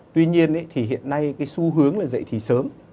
tuy nhiên thì hiện nay cái xu hướng là dạy thì sớm